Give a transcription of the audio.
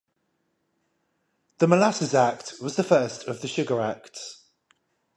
The Molasses Act was the first of the Sugar Acts.